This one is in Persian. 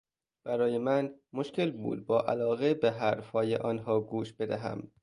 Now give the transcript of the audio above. برای من مشکل بود با علاقه به حرفهای آنها گوش بدهم.